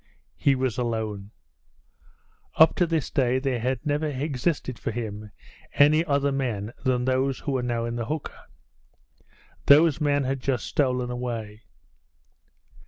He was alone. Up to this day there had never existed for him any other men than those who were now in the hooker. Those men had just stolen away.